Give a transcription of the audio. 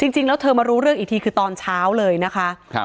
จริงแล้วเธอมารู้เรื่องอีกทีคือตอนเช้าเลยนะคะ